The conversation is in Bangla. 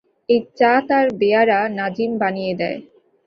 এই চা তাঁর বেয়ারা নাজিম বানিয়ে দেয়।